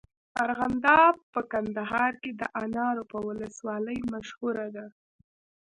ارغنداب په کندهار کي د انارو په ولسوالۍ مشهوره دی.